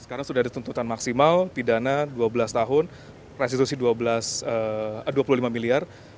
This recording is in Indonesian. sekarang sudah ada tuntutan maksimal pidana dua belas tahun restitusi dua puluh lima miliar